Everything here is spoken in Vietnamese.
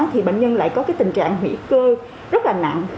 thì bệnh nhân lại có cái tình trạng hủy cơ rất là nặng